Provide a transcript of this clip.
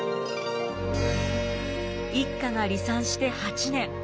一家が離散して８年。